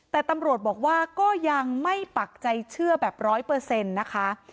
แต่ตำรวจบอกว่าก็ยังไม่ปักใจเชื่อแบบร้อยเปอร์เซ็นต์นะคะ